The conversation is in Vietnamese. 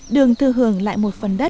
đường thư hưởng lại một tầng đất